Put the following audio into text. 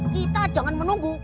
kita jangan menunggu